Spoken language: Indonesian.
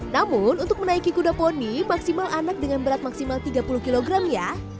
namun untuk menaiki kuda poni maksimal anak dengan berat maksimal tiga puluh kg ya